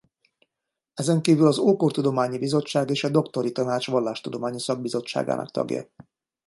Ezenkívül az Ókortudományi Bizottság és a Doktori Tanács vallástudományi szakbizottságának tagja.